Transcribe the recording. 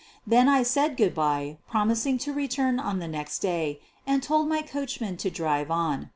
Then I said good bye, promising to re turn on the next day, and told my coachman to drive on.